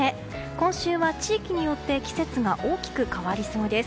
今週は、地域によって季節が大きく変わりそうです。